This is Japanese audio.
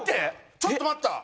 ちょっと待った！